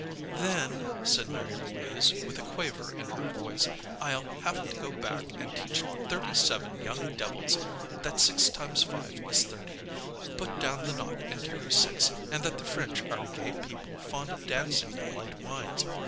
"Then," said Mary Louise, with a quaver in her voice, "I'll have to go back and teach thirty seven young devils that six times five is thirty, put down the naught and carry six, and that the French are a gay people, fond of dancing and light wines.